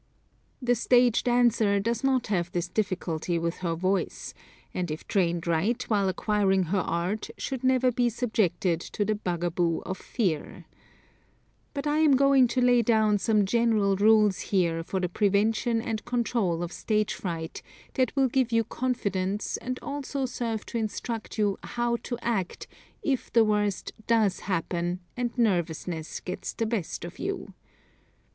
The stage dancer does not have this difficulty with her voice, and if trained right while acquiring her art should never be subjected to the bugaboo of fear. But I am going to lay down some general rules here for the prevention and control of stage fright that will give you confidence and also serve to instruct you how to act if the worst does happen and nervousness gets the best of you.